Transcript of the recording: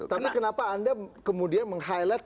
tapi kenapa anda kemudian meng highlight